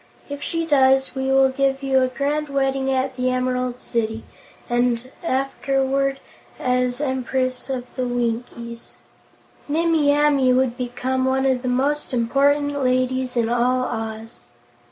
If she does, we will give you a grand wedding at the Emerald City and, afterward, as Empress of the Winkies, Nimmie Amee would become one of the most important ladies in all Oz."